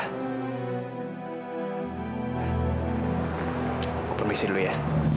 aku permisi dulu ya